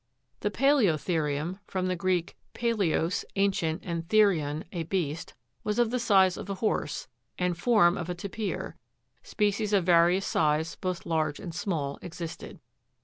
13. The paleothe' rium (fig. 157 from the Greek, palaios, ancient, and therion, a beast), was of the size of a horse, and form of a tapir ; species of various size, both large and small, existed.